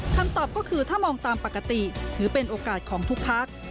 คำตอบก็คือถ้ามองตามปกติถือเป็นโอกาสของทุกพัก